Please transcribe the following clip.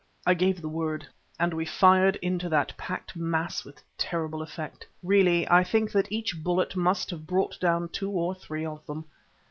I gave the word, and we fired into that packed mass with terrible effect. Really I think that each bullet must have brought down two or three of them.